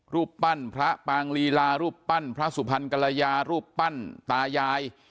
รูปปั้นพระปางลีลารูปปั้นพระสุพรรณกรยารูปปั้นตายาย